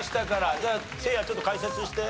じゃあせいやちょっと解説して。